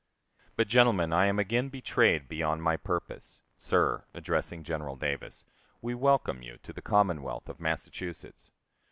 But, gentlemen, I am again betrayed beyond my purpose. Sir [addressing General Davis], we welcome you to the Commonwealth of Massachusetts.